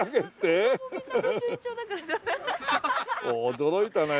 驚いたね。